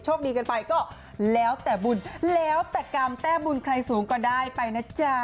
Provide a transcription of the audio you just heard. กันไปก็แล้วแต่บุญแล้วแต่กรรมแต้มบุญใครสูงก็ได้ไปนะจ๊ะ